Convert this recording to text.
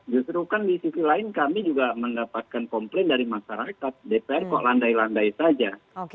justru kan di sisi lain kami juga mendapatkan komplain dari masyarakat dpr kok landai landai saja